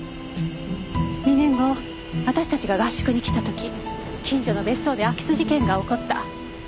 ２年後私たちが合宿に来た時近所の別荘で空き巣事件が起こった。